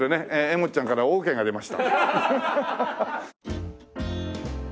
もっちゃんからオーケーが出ました。